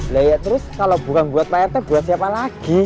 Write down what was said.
laya terus kalau bukan buat prt buat siapa lagi